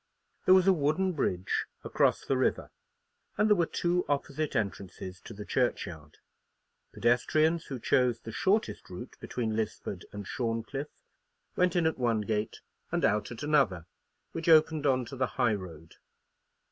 There was a wooden bridge across the river, and there were two opposite entrances to the churchyard. Pedestrians who chose the shortest route between Lisford and Shorncliffe went in at one gate and out at another, which opened on to the high road.